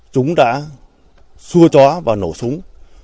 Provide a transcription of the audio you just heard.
chúng đã xua chó và nổ súng